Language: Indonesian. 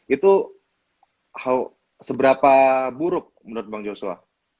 itu seberapa buruk menurut bang joshua